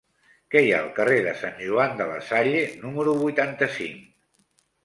Què hi ha al carrer de Sant Joan de la Salle número vuitanta-cinc?